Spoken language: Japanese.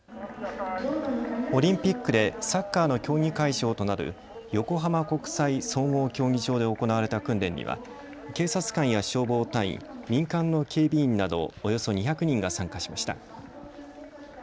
オリンピックでサッカーの競技会場となる横浜国際総合競技場で行われた訓練には警察官や消防隊員、民間の警備員など、およそ２００人が参加しました。